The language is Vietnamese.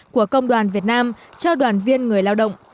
của công đoàn việt nam cho đoàn viên người lao động